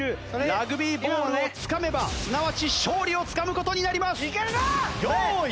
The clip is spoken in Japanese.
ラグビーボールをつかめばすなわち勝利をつかむ事になります。用意。